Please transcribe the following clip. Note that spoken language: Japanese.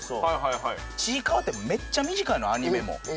『ちいかわ』ってめっちゃ短いのアニメも。